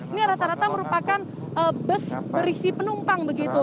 ini rata rata merupakan bus berisi penumpang begitu